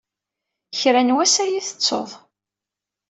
Kra n wass ad iyi-tettuḍ.